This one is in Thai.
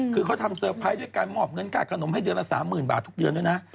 คือเขาทำเซอร์ไพรส์ด้วยการมอบเงินค่าขนมให้เดือนละ๓๐๐๐บาททุกเดือนด้วยนะ